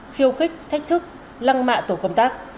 khiêu khích thách thức lăng mạ tổ công tác